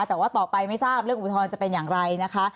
แต่ว่าต่อไปไม่ทราบเรื่องอุทธรณ์จะเป็นอย่างไรนะคะ